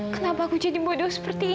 kenapa aku jadi bodoh seperti ini